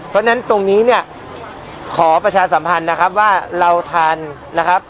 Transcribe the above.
เพราะฉะนั้นตรงนี้เนี่ยขอประชาสัมพันธ์นะครับว่าเราทันนะครับ